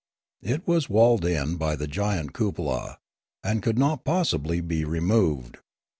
It was walled in by the giant cupola, and could not possibly be removed.